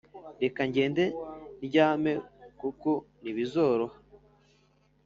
Reka njyende ryame kuko ntibizoroha